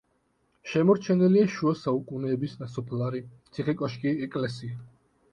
შემორჩენილია შუა საუკუნეების ნასოფლარი, ციხე-კოშკი, ეკლესია.